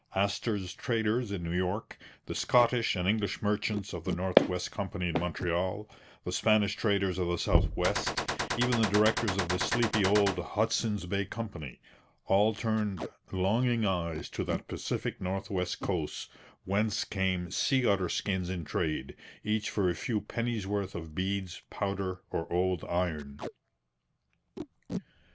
Astor's traders in New York, the Scottish and English merchants of the North West Company in Montreal, the Spanish traders of the South West, even the directors of the sleepy old Hudson's Bay Company all turned longing eyes to that Pacific north west coast whence came sea otter skins in trade, each for a few pennies' worth of beads, powder, or old iron.